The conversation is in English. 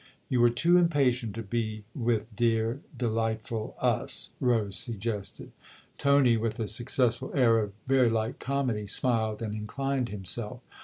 " You were too impatient to be with dear, de lightful us" Rose suggested. Tony, with a successful air of very light comedy, smiled and inclined himself.